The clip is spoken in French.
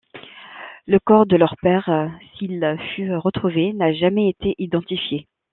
Le corps de leur père, s'il fut retrouvé, n'a jamais été identifié.